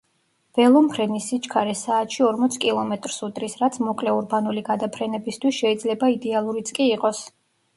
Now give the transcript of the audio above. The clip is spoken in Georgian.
ველომფრენის სიჩქარე საათში ორმოც კილომეტრს უდრის, რაც მოკლე ურბანული გადაფრენებისთვის შეიძლება იდეალურიც კი იყოს.